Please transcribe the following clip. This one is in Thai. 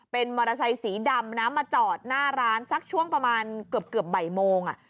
เป็นมอเตอร์ไซสีดำนะมาจอดหน้าร้านสักช่วงประมาณเกือบบ่ายโมง